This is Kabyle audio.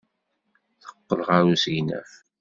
Teqqel ɣer usegnaf.